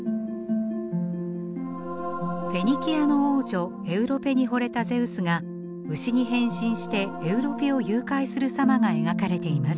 フェニキアの王女エウロペに惚れたゼウスが牛に変身してエウロペを誘拐する様が描かれています。